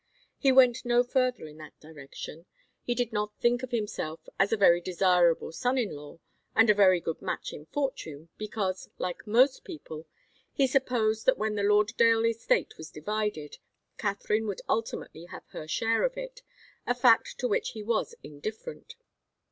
He went no further in that direction. He did not think of himself as a very desirable son in law, and a very good match in fortune, because, like most people, he supposed that when the Lauderdale estate was divided, Katharine would ultimately have her share of it, a fact to which he was indifferent.